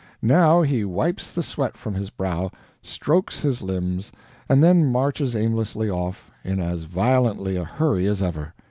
Now he wipes the sweat from his brow, strokes his limbs, and then marches aimlessly off, in as violently a hurry as ever.